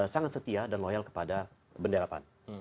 sangat setia dan loyal kepada benderapan